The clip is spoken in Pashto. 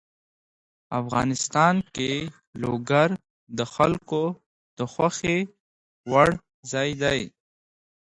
افغانستان کې لوگر د خلکو د خوښې وړ ځای دی.